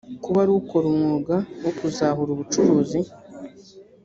kuba ari ukora umwuga wo kuzahura ubucuruzi